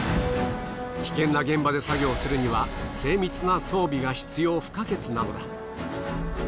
危険な現場で作業するには精密な装備が必要不可欠なのだ。